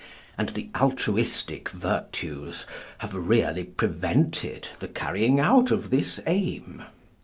And the altruistic virtues have really prevented the carrying out of this aim.